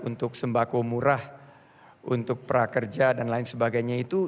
untuk sembako murah untuk prakerja dan lain sebagainya itu